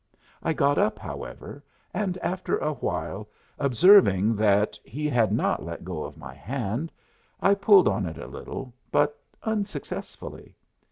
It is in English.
I got up, however, and after a while, observing that he had not let go my hand I pulled on it a little, but unsuccessfully.